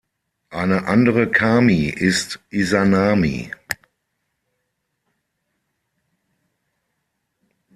Eine andere Kami ist Izanami.